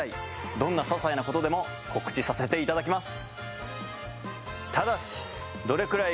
どんなささいなことでも告知させていただきます。